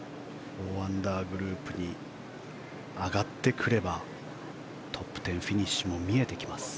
４アンダーグループに上がってくればトップ１０フィニッシュも見えてきます。